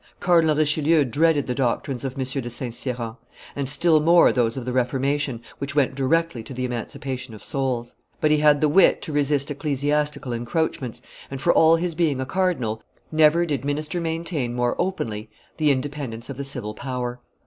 Cardinal Richelieu dreaded the doctrines of M. de St. Cyran, and still more those of the reformation, which went directly to the emancipation of souls; but he had the wit to resist ecclesiastical encroachments, and, for all his being a cardinal, never did minister maintain more openly the independence of the civil power.